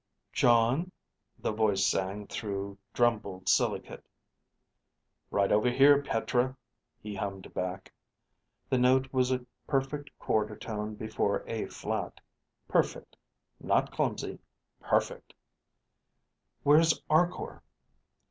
Jon, the voice sang through drumbled silicate. Right over here, Petra, he hummed back. (The note was a perfect quarter tone below A flat. Perfect! Not clumsy. Perfect!) _Where's Arkor?